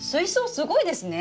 すごいですよね。